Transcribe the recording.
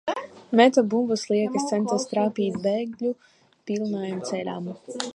Meta bumbas, liekas centās trāpīt bēgļu pilnajam ceļam.